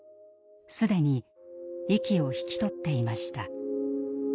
既に息を引き取っていました。